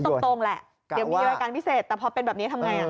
ตรงแหละเดี๋ยวมีรายการพิเศษแต่พอเป็นแบบนี้ทำไง